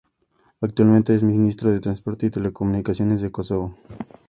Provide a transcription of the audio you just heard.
Actualmente, es Ministro de Transporte y Telecomunicaciones de Kosovo.